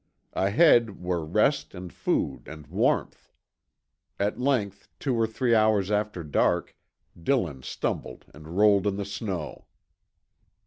Ahead were rest and food and warmth. At length, two or three hours after dark, Dillon stumbled and rolled in the snow.